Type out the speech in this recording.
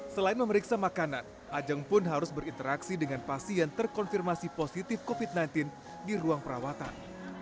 selain memeriksa makanan ajeng pun harus berinteraksi dengan pasien terkonfirmasi positif covid sembilan belas di ruang perawatan